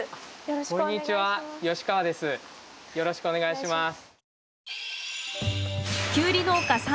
よろしくお願いします。